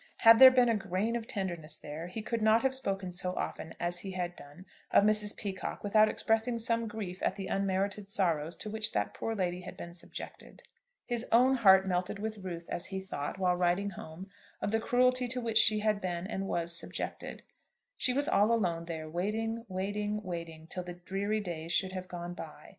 Had there been a grain of tenderness there, he could not have spoken so often as he had done of Mrs. Peacocke without expressing some grief at the unmerited sorrows to which that poor lady had been subjected. His own heart melted with ruth as he thought, while riding home, of the cruelty to which she had been and was subjected. She was all alone there, waiting, waiting, waiting, till the dreary days should have gone by.